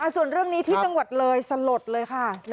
ส่วนเรื่องนี้ที่จังหวัดเลยสลดเลยค่ะ